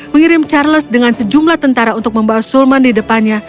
mengirim charles dengan sejumlah tentara untuk membawa sulman di depannya